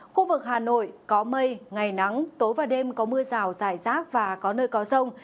khu vực hà nội có mây ngày nắng tối và đêm có mưa rào rải rác và có nơi có rông